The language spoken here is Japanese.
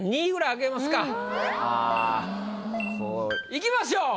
いきましょう。